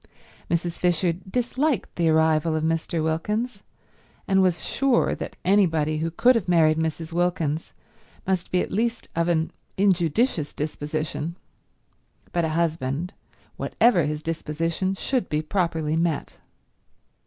Mrs. Fisher disliked the arrival of Mr. Wilkins, and was sure that anybody who could have married Mrs. Wilkins must be at least of an injudicious disposition, but a husband, whatever his disposition, should be properly met.